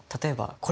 これ。